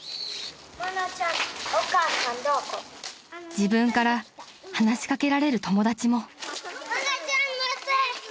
［自分から話し掛けられる友達も］